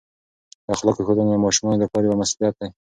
د اخلاقو ښودنه د ماشومانو د پلار یوه مسؤلیت دی.